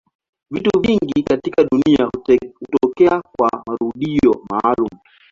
Vitu vingi katika dunia hutokea kwa marudio maalumu.